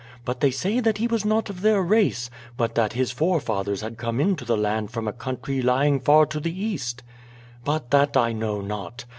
But they say that he was not of their race, but that his forefathers had come into the land from a country lying far to the east; but that I know not.